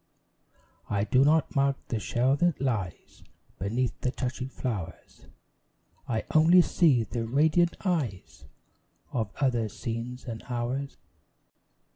I do not mark the shell that lies Beneath the touching flowers; I only see the radiant eyes Of other scenes and hours.